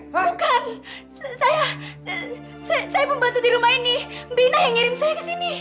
bukan saya saya membantu di rumah ini bina yang ngirim saya ke sini